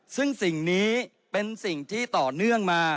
ซึ่งสิ่งนี้เป็นสิ่งที่ต่อเนื่องมา